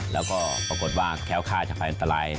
แล้วก็ปรากฏว่าแค้วค่าจากภัยอันตราย